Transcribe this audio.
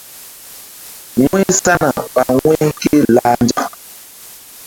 Wu̧y sana ɓa wu̧y ké lah nzak.